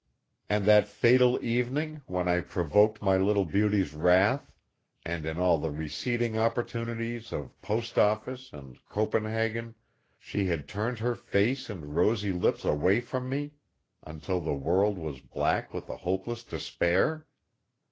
And that fatal evening when I provoked my little beauty's wrath, and in all the receding opportunities of "Post Office" and "Copenhagen" she had turned her face and rosy lips away from me, until the world was black with a hopeless despair?